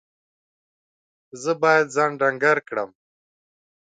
زه باید ځان ډنګر کړم.